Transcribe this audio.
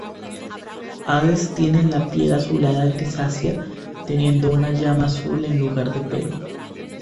Hades tiene la piel azulada-grisácea teniendo una llama azul en lugar de pelo.